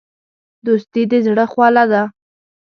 دوستي د زړه خواله ده.